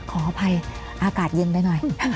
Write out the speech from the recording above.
ขออภัยอากาศเย็นไปหน่อย